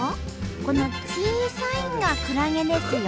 この小さいんがクラゲですよ。